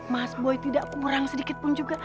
mas boy tidak kurang sedikit pun juga